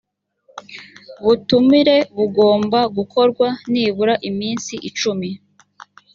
butumire bugomba gukorwa nibura iminsi cumi